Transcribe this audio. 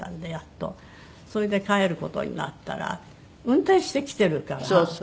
それで帰る事になったら運転して来てるから。そうそう。